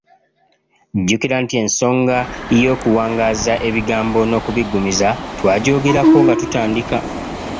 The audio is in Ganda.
Jjukira nti ensonga y’okuwangaaza ebigambo n’okubiggumiza twagyogerako nga tutandika.